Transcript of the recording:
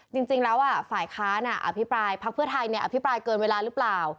จริงแล้วฝ่ายค้านอภิปรายพักเพื่อไทยอภิปรายเกินเวลาหรือเปล่า